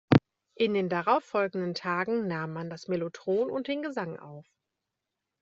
In den darauffolgenden Tagen nahm man das Mellotron und den Gesang auf.